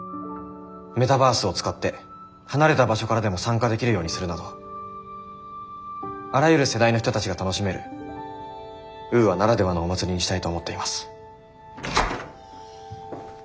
メタバースを使って離れた場所からでも参加できるようにするなどあらゆる世代の人たちが楽しめるウーアならではのお祭りにしたいと思っています。